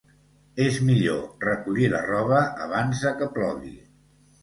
És millor recollir la roba abans de que plogui.